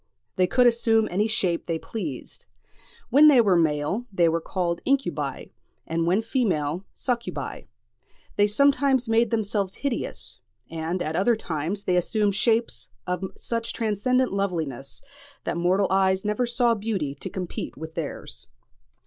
They could assume any shape they pleased. When they were male, they were called incubi; and when female, succubi. They sometimes made themselves hideous; and at other times they assumed shapes of such transcendent loveliness, that mortal eyes never saw beauty to compete with theirs.